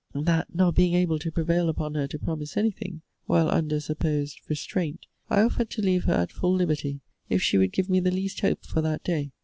That, not being able to prevail upon her to promise any thing, while under a supposed restraint! I offered to leave her at full liberty, if she would give me the least hope for that day.